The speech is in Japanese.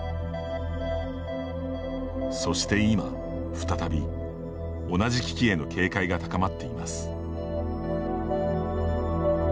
そして、今再び、同じ危機への警戒が高まっています。